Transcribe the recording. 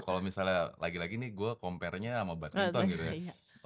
kalau misalnya lagi lagi nih gue compare nya sama badminton gitu ya